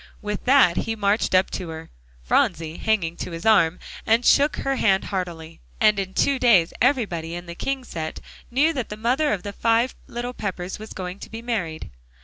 With that, he marched up to her, Phronsie hanging to his arm, and shook her hand heartily. And in two days everybody in the King set knew that the mother of the five little Peppers was going to be married.